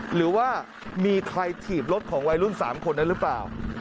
หรือว่ามีใครถีบรถของวัยรุ่น๓คนนั้นหรือเปล่า